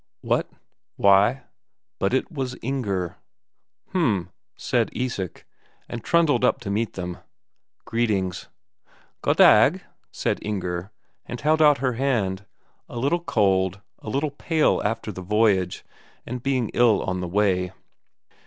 What why but it was Inger! "H'm," said Isak, and trundled up to meet them. Greetings: "Goddag," said Inger, and held out her hand; a little cold, a little pale after the voyage, and being ill on the way.